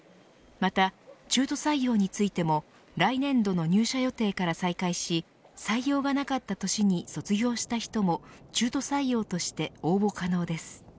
また、中途採用についても来年度の入社予定から再開し採用がなかった年に卒業した人も中途採用として応募可能です。